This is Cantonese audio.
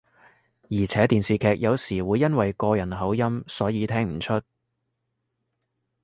而且電視劇有時會因為個人口音所以聽唔出